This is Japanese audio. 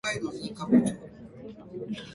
名前をテョといいます。